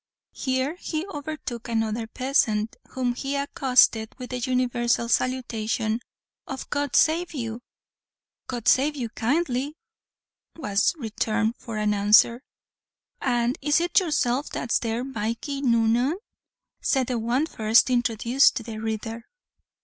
Here he overtook another peasant, whom he accosted with the universal salutation of "God save you!" "God save you kindly," was returned for answer. "And is it yourself that's there Mikee Noonan?" said the one first introduced to the reader.